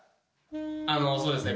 あのそうですね